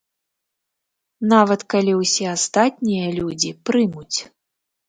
Нават калі ўсе астатнія людзі прымуць.